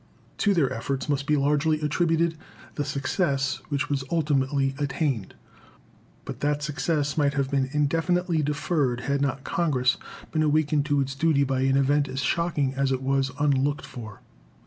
To their efforts must be largely attributed the success which was ultimately attained. But that success might have been indefinitely deferred had not Congress been awakened to its duty by an event as shocking as it was unlooked for.